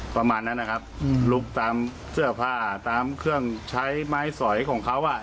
ประมาณนั้นนะครับลุกตามเสื้อผ้าตามเครื่องใช้ไม้สอยของเขาอ่ะ